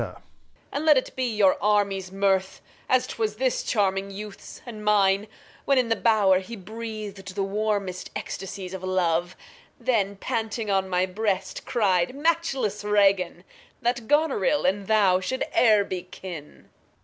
And let it be your Army's Mirth, as 'twas This charming Youth's and mine, when in the Bow'r He breath' d the warmest Ecstasies of Love ; Then panting on my Breast, cry'd, matchless Regan I That Goneril and thou shou'd e'er be kin ! Gon.